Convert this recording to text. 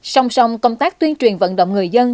xong xong công tác tuyên truyền vận động người dân